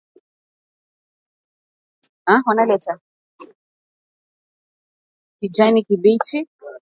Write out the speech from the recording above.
kijani kibichi